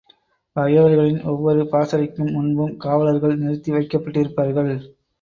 பகைவர்களின் ஒவ்வொரு பாசறைக்கு முன்பும் காவலர்கள் நிறுத்தி வைக்கப்பட்டிருப்பார்கள்.